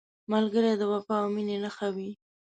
ملګری د وفا او مینې نښه وي